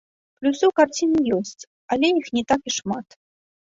Плюсы ў карціне ёсць, але іх не так і шмат.